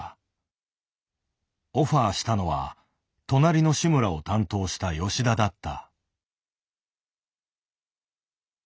オファーしたのは「となりのシムラ」を担当した吉田だった。